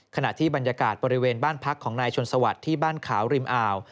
ขณะที่บรรยากาศบริเวณบ้านพักของนายชนสวัสดิ์ที่บ้านขาวริมอ่าว